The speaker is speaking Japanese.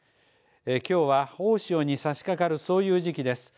きょうは大潮にさしかかるそういう時期です。